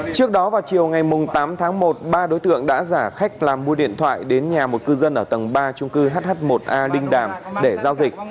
trước đó vào chiều ngày tám tháng một ba đối tượng đã giả khách làm mua điện thoại đến nhà một cư dân ở tầng ba trung cư hh một a đinh đàm để giao dịch